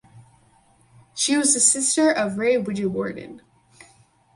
She was the sister of Ray Wijewardene.